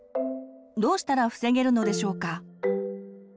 どうしたら防げるのでしょうか？